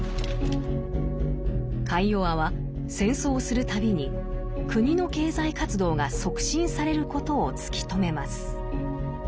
カイヨワは戦争をする度に国の経済活動が促進されることを突き止めます。